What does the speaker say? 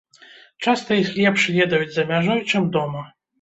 Часта іх лепш ведаюць за мяжой, чым дома.